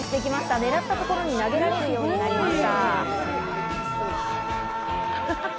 狙ったところに投げられるようになりました。